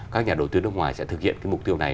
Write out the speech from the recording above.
các nhà đầu tư nước ngoài sẽ thực hiện mục tiêu này